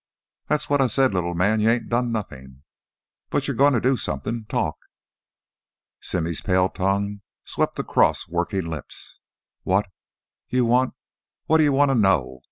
"That's what I said, little man. You ain't done nothin'. But you're goin' to do somethin' talk!" Simmy's pale tongue swept across working lips. "What ... you want wantta ... know?"